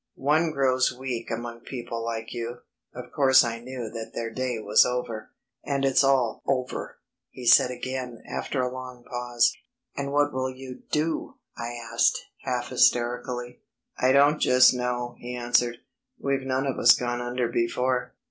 One grows weak among people like you. Of course I knew that their day was over.... And it's all over," he said again after a long pause. "And what will you do?" I asked, half hysterically. "I don't just know," he answered; "we've none of us gone under before.